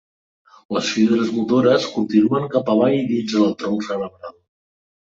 Les fibres motores continuen cap avall dins del tronc cerebral.